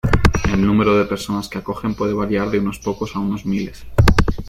El número de personas que acogen puede variar de unos pocos a unos miles.